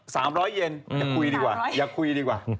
สามร้อยเยนอยากคุยดีกว่า